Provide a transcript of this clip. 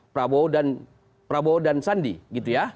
prabowo dan sandi